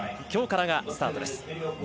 きょうからがスタートです。